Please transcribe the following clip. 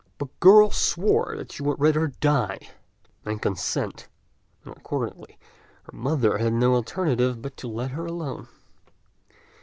The girl swore she would rather die than consent, and accordingly her mother had no alternative but to let her alone.